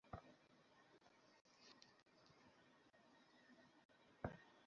ব্যথার সঙ্গে এর কোন সম্পর্ক আছে কি?